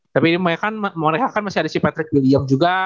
tapi ini mereka kan mereka kan masih ada si patrick william juga